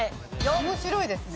面白いですね。